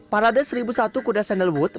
parade seribu satu kuda sengel wood